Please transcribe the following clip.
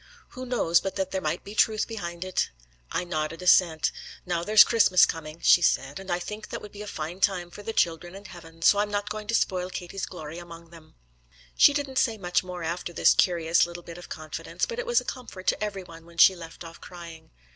Who knows but that there might be the truth behind it?' I nodded assent. 'Now there's Christmas coming,' she said, 'and I think that would be a fine time for the children in heaven, so I'm not going to spoil Katie's glory among them.' She didn't say much more after this curious little bit of confidence, but it was a comfort to every one when she left off crying.